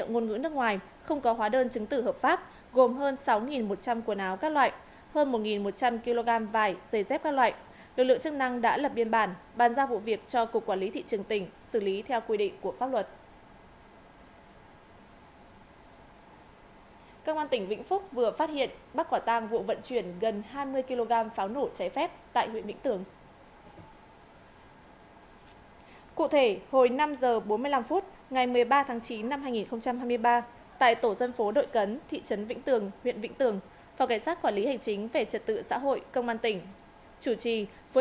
qua kiểm tra lực lượng chức năng phát hiện trên xe vận chuyển hàng hóa nhãn hiệu ngôn ngữ nước ngoài không có hóa đơn chứng tử hợp pháp gồm hơn sáu một trăm linh quần áo các loại